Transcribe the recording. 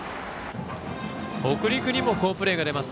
北陸にも好プレーが出ます